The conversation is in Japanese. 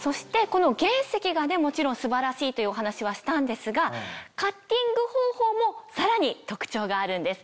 この原石がもちろん素晴らしいというお話はしたんですがカッティング方法もさらに特徴があるんです。